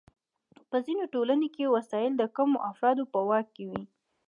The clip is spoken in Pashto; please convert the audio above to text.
په ځینو ټولنو کې وسایل د کمو افرادو په واک کې وي.